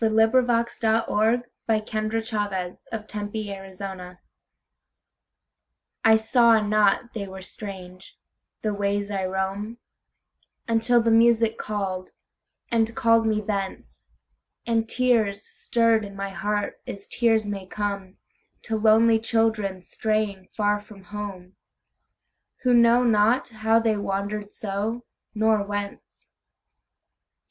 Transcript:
1900. By Josephine PrestonPeabody 1671 After Music I SAW not they were strange, the ways I roam, Until the music called, and called me thence, And tears stirred in my heart as tears may comeTo lonely children straying far from home, Who know not how they wandered so, nor whence.